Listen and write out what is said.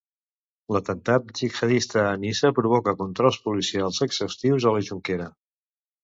L'atemptat jihadista de Niça provoca controls policials exhaustius a la Jonquera.